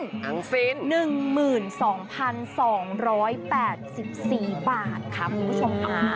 ทั้งฟิน๑๒๒๘๔บาทค่ะคุณผู้ชมค่ะ